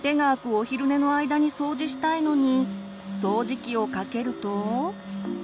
お昼寝の間に掃除したいのに掃除機をかけると。